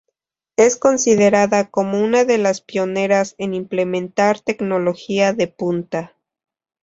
Es considerada como una de las pioneras en implementar tecnología de punta.